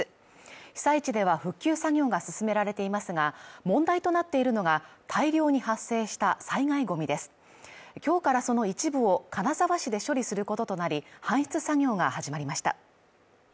被災地では復旧作業が進められていますが問題となっているのが大量に発生した災害ゴミです今日からその一部を金沢市で処理することとなり、搬出作業が始まりました。